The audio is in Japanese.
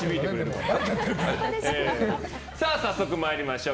早速参りましょう。